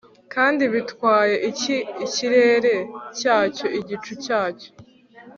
Kandi bitwaye iki ikirere cyacyo igicu cyacyo